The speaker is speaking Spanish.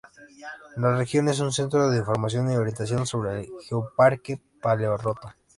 La región es un centro de información y orientación sobre el geoparque Paleorrota.